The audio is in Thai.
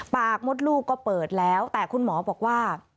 มดลูกก็เปิดแล้วแต่คุณหมอบอกว่า